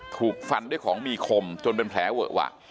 ถูกฟันด้วยของมีคมจนเป็นแผลเวอะวะ